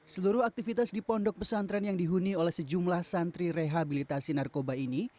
seluruh aktivitas di pondok pesantren yang dihuni oleh sejumlah santri rehabilitasi narkoba ini